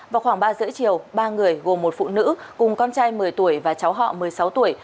vào khoảng ba giờ chiều ba người gồm một phụ nữ cùng con trai một mươi tuổi và cháu họ một mươi sáu tuổi